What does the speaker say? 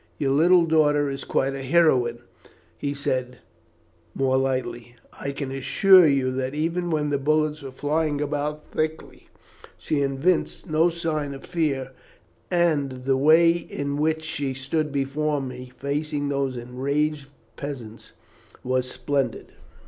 Your little daughter is quite a heroine," he said more lightly. "I can assure you that even when the bullets were flying about thickly she evinced no signs of fear, and the way in which she stood before me facing those enraged peasants was splendid."